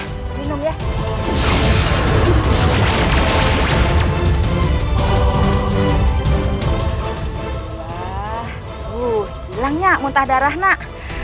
hilangnya muntah darah nak